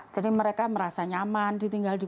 jadi mereka merasa nyaman ditinggal di sini